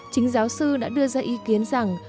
chính giáo sư đã đưa ra ý kiến rằng